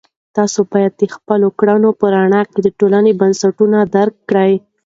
تاسې باید د خپلو کړنو په رڼا کې د ټولنې بنسټونه درک کړئ.